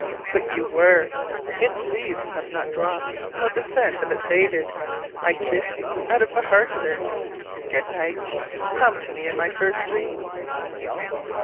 But you were! Its leaves have not dropped nor the scent of it faded. I kiss you out of the heart of it. Good night: come to me in my first dream!